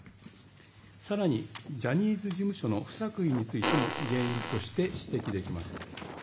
更に、ジャニーズ事務所の不作為についても原因として指摘できます。